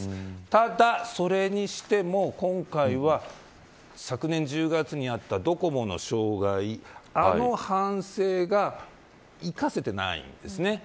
ただ、それにしても今回は昨年１０月にあったドコモの障害あの反省が生かせてないんですね。